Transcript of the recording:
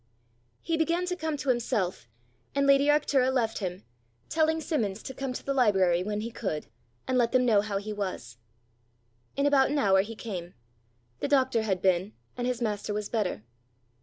He began to come to himself, and lady Arctura left him, telling Simmons to come to the library when he could, and let them know how he was. In about an hour he came: the doctor had been, and his master was better.